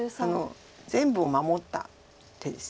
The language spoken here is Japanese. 全部を守った手です。